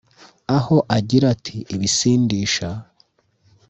aho agira ati “Ibisindisha